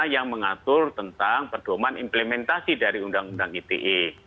yang mengatur tentang perdoman implementasi dari undang undang ite